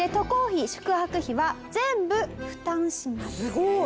すごい！